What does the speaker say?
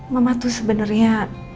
mama tuh sebenernya